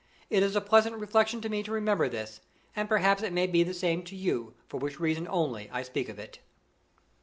It is a pleasant reflection to me to remember this, and perhaps it may be the same to you, for which reason only I speak of it.